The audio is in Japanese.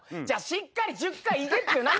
じゃあしっかり１０回いけって。